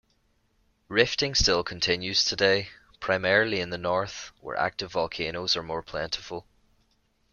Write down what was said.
Rifting still continues today; primarily in the north, where active volcanoes are more plentiful.